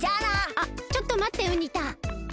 あっちょっとまってウニ太。